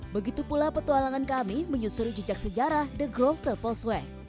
begitu pula petualangan kami menyusuri jejak sejarah the growth postweight